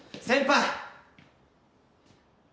先輩！